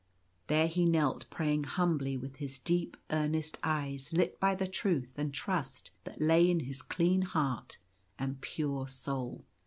There he knelt praying humbly, with his deep earnest eyes lit by the truth and trust that lay in his clean heart and pure soul.